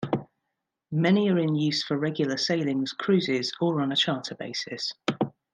Many are in use for regular sailings, cruises or on a charter basis.